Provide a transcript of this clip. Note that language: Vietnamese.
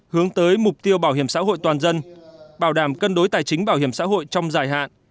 hướng tới mục tiêu bảo hiểm xã hội toàn dân bảo đảm cân đối tài chính bảo hiểm xã hội trong dài hạn